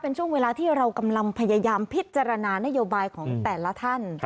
เป็นช่วงเวลาที่เรากำลังพยายามพิจารณานโยบายของแต่ละท่าน